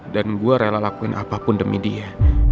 dan gue rela lakuin apapun demi dia